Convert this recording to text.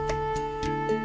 supaya beliau lebih khusus